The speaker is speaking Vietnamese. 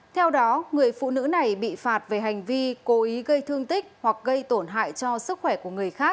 theo đó người phụ nữ này bị phạt về hành vi cố ý gây thương tích hoặc gây tổn hại cho sức khỏe của người khác